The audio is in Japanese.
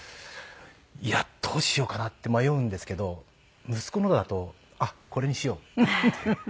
いやどうしようかなって迷うんですけど息子のだとあっこれにしようって。